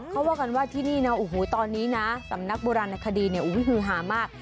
เขาว่ากันว่าที่นี่นะโอ้โหตอนนี้นะสำนักโบราณคดีเนี่ยฮือหามาก